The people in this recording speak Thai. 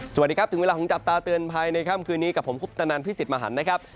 สวัสดีครับถึงเวลาของจับตาเตือนภัยในค่ำคืนนี้กับผมคุปตนันพิสิทธิ์มหันนะครับ